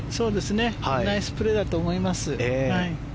ナイスプレーだと思います。